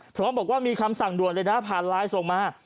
เพราะบอกว่ามีคำสั่งด่วนผ่านไลน์ส่งมา